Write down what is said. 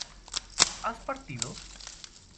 ¿has partido?